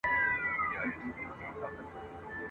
خو بازاري توکي ګڼل کېدل